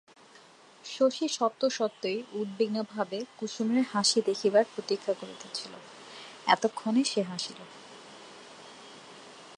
শশী সত্যসত্যই উদ্বিগ্নভাবে কুসুমের হাসি দেখিবার প্রতীক্ষা করিতেছিল, এতক্ষণে সে হাসিল।